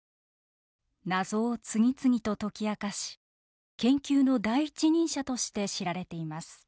謎を次々と解き明かし研究の第一人者として知られています。